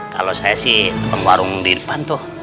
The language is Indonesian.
kalau saya sih pengwarung di depan tuh